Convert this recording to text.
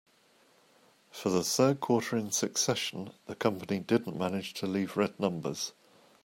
For the third quarter in succession, the company didn't manage to leave red numbers.